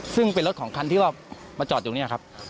ซึ่งเป็นรถของคันที่ว่ามาจอดอยู่เนี่ยครับ